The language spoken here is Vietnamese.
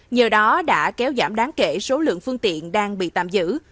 nhờ đó đã kéo giảm đáng kể số lượng phương tiện đang bị tạm giữ